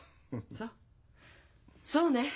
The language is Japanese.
そうそうね。